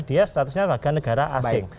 dia statusnya warga negara asing